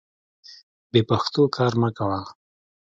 بې پښتو کار مه کوه.